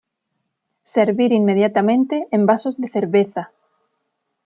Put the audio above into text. Servir inmediatamente en vasos de cerveza.